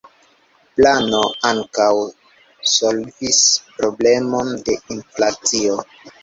Plano ankaŭ solvis problemon de inflacio.